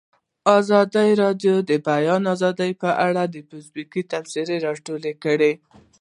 ازادي راډیو د د بیان آزادي په اړه د فیسبوک تبصرې راټولې کړي.